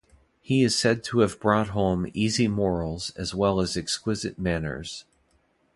He is said to have brought home easy morals as well as exquisite manners.